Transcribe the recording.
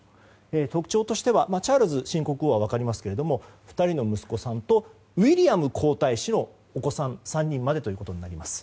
特徴としてはチャールズ新国王は分かりますが２人の息子さんとウィリアム皇太子のお子さん３人までとなります。